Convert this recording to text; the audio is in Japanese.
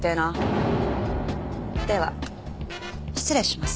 では失礼します。